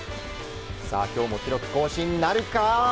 今日も記録更新なるか？